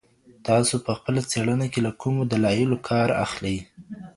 تاسو په خپله څېړنه کي له کومو دلایلو کار اخلئ؟